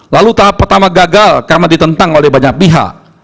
lalu tahap pertama gagal karena ditentang oleh banyak pihak